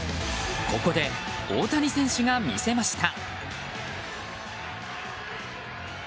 ここで大谷選手が魅せました。